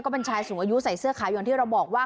เป็นชายสูงอายุใส่เสื้อขาวอย่างที่เราบอกว่า